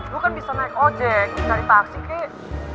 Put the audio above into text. gue kan bisa naik ojek gue cari taksi ki